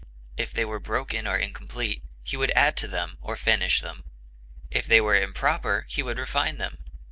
If they were broken or incomplete, he would add to them or finish them; if they were improper he would refine them.